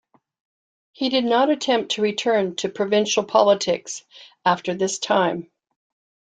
He did not attempt a return to provincial politics after this time.